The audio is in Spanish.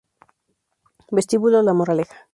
Vestíbulo La Moraleja